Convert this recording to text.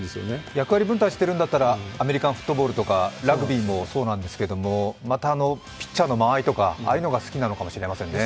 役割分担しているんだったら、アメリカンフットボールとかラグビーもそうなんですがまたピッチャーの間合いとかああいうのが好きなのかもしれませんね。